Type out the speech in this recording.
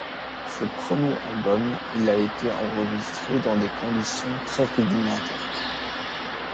Ce premier albumIl a été enregistré dans des conditions très rudimentaires.